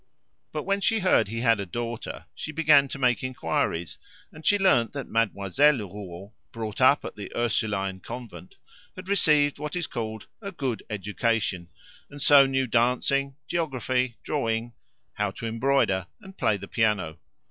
But when she heard he had a daughter, she began to make inquiries, and she learnt the Mademoiselle Rouault, brought up at the Ursuline Convent, had received what is called "a good education"; and so knew dancing, geography, drawing, how to embroider and play the piano.